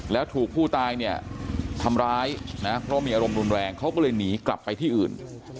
แล้วถูกผู้ตายเนี่ยทำร้ายนะเพราะมีอารมณ์รุนแรงเขาก็เลยหนีกลับไปที่อื่น